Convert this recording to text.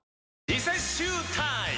リセッシュータイム！